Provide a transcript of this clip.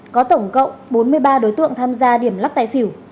có tổng cộng bốn mươi ba đối tượng tham gia điểm lắc tài xỉu